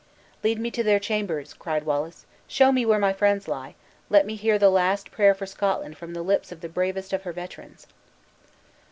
"Lead me to their chambers!" cried Wallace; "show me where my friends lie; let me hear the last prayer for Scotland from the lips of the bravest of her veterans!"